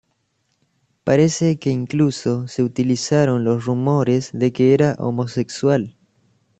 Parece que incluso se utilizaron los rumores de que era homosexual.